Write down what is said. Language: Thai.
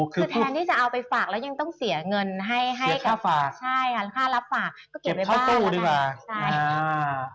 คือแทนที่จะเอาไปฝากแล้วยังต้องเสียเงินให้ให้กับค่ารับฝากก็เก็บไว้บ้างละกัน